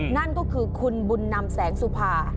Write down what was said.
นั่นก็คือคุณบุญนำแสงสุภา